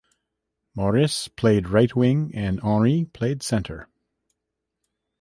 Maurice played right wing and Henri played centre.